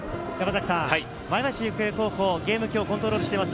前橋育英高校、ゲームを今日はコントロールしています。